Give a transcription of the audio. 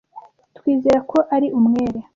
Twizera ko ari umwere.